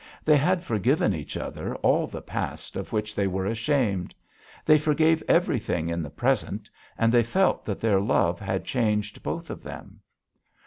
They had forgiven each other all the past of which they were ashamed; they forgave everything in the present, and they felt that their love had changed both of them.